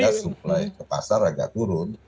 tidak supply ke pasar agak turun